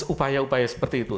upaya upaya seperti itu